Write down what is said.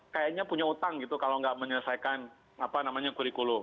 kayaknya punya utang gitu kalau nggak menyelesaikan kurikulum